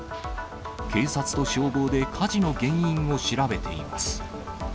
警察と消防で火事の原因を調べています。